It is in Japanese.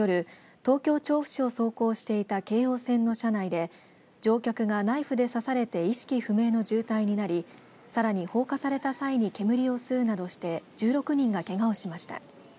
東京、調布市を走行していた京王線の車内で乗客がナイフで刺されて意識不明の重体になりさらに放火された際に煙を吸うなどして１６人がけがをしました。